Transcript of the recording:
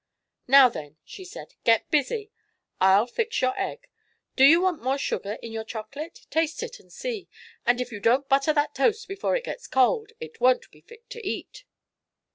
"Now, then," she said, "get busy. I'll fix your egg. Do you want more sugar in your chocolate? Taste it and see. And if you don't butter that toast before it gets cold it won't be fit to eat."